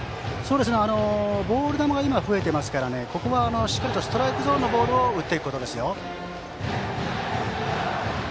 ボール球が今、増えていますからここはしっかりストライクゾーンのボールを打っていくことですよ。